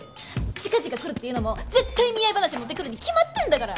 近々来るっていうのも絶対見合い話持ってくるに決まってるんだから！